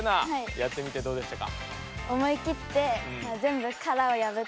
やってみてどうでしたか？